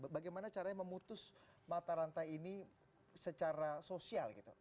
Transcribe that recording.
bagaimana caranya memutus mata rantai ini secara sosial gitu